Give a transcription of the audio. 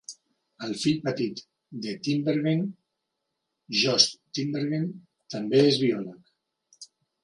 El fill petit de Tinbergen, Joost Tinbergen, també és biòleg.